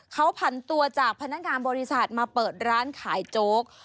เขาผันตัวจากพนักงานบริษัทมาเปิดร้านขายโจ๊ก